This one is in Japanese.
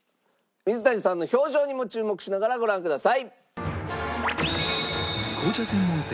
水谷さんの表情にも注目しながらご覧ください。